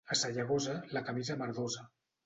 A Sallagosa, la camisa merdosa.